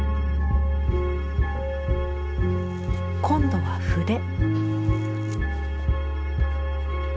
今度は筆。